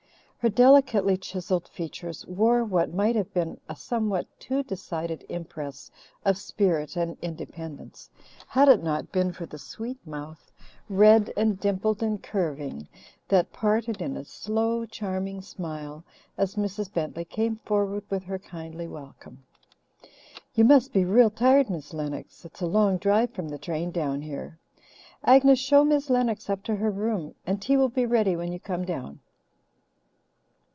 Her delicately chiselled features wore what might have been a somewhat too decided impress of spirit and independence, had it not been for the sweet mouth, red and dimpled and curving, that parted in a slow, charming smile as Mrs. Bentley came forward with her kindly welcome. "You must be real tired, Miss Lennox. It's a long drive from the train down here. Agnes, show Miss Lennox up to her room, and tea will be ready when you come down."